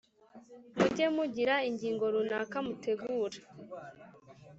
mujye mugira ingingo runaka mutegura